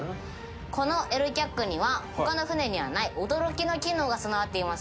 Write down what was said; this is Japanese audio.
この「エルキャック」には他の船にはない驚きの機能が備わっています。